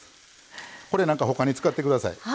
これなんかほかに使ってください。